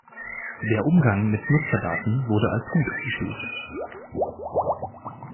Der Umgang mit Nutzerdaten wurde als gut eingestuft.